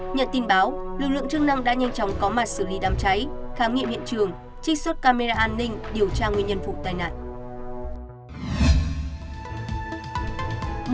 nhận tin báo lực lượng chức năng đã nhanh chóng có mặt xử lý đám cháy khám nghiệm hiện trường trích xuất camera an ninh điều tra nguyên nhân vụ tai nạn